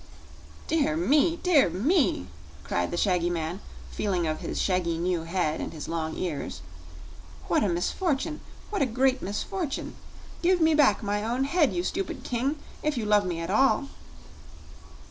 "Dear me! dear me!" cried the shaggy man, feeling of his shaggy new head and his long ears. "What a misfortune what a great misfortune! Give me back my own head, you stupid king if you love me at all!"